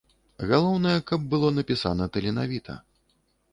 Галоўнае, каб было напісана таленавіта.